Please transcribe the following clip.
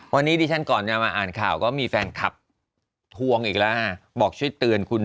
วันนี้ดิฉันก่อนจะมาอ่านข่าวก็มีแฟนคลับทวงอีกแล้วบอกช่วยเตือนคุณ